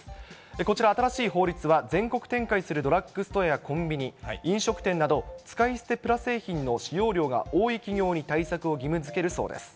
こちら新しい法律は、全国展開するドラッグストアやコンビニ、飲食店など、使い捨てプラ製品の使用量が多い企業に対策を義務づけるそうです。